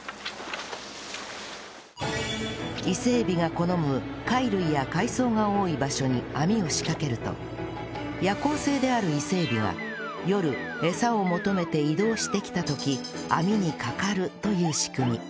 伊勢エビが好む貝類や海藻が多い場所に網を仕掛けると夜行性である伊勢エビは夜餌を求めて移動してきた時網にかかるという仕組み